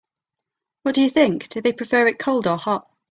What do you think, do they prefer it cold or hot?